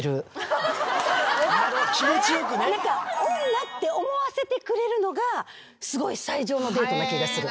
女って思わせてくれるのがすごい最上のデートな気がする。